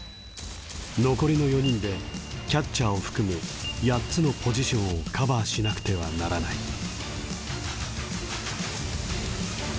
残りの４人でキャッチャーを含む８つのポジションをカバーしなくてはならない。